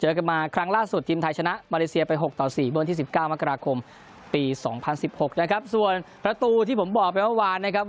เจอกันมาหลังล่าสุดทีมไทยชนะมาเลเซียไป๖๔บนที่๑๙มกราคมปี๒๐๑๖ส่วนประตูที่ผมบอกเพื่อนเมื่อวาน